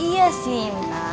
iya sih mika